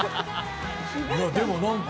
でも何か。